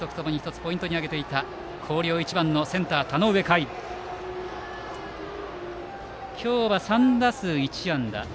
そして、両監督ともポイントに挙げていた広陵１番のセンター、田上夏衣。今日は３打数１安打。